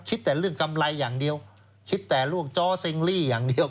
คิดแต่เรื่องกำไรอย่างเดียวคิดแต่เรื่องจ้อเซ็งลี่อย่างเดียว